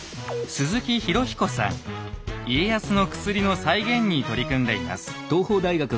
家康の薬の再現に取り組んでいます。